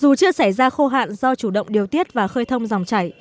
dù chưa xảy ra khô hạn do chủ động điều tiết và khơi thông dòng chảy